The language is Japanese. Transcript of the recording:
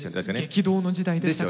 激動の時代。ですよね。